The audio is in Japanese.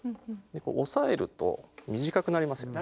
押さえると短くなりますよね。